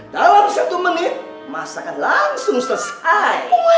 dalam satu menit masakan langsung selesai